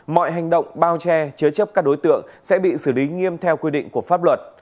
mọi hành động bao che chứa chấp các đối tượng sẽ bị xử lý nghiêm theo quy định của pháp luật